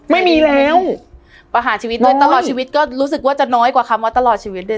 ไม่มีแล้วประหารชีวิตได้ตลอดชีวิตก็รู้สึกว่าจะน้อยกว่าคำว่าตลอดชีวิตเลย